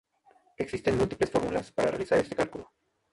Existen múltiples fórmulas para realizar este cálculo.